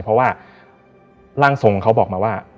เพราะว่าร่างทรงเขาบอกมาว่า